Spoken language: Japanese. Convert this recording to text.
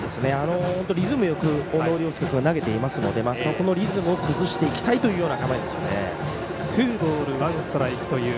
リズムよく小野涼介君が投げていますのでそこのリズムを崩していきたいという構えですよね。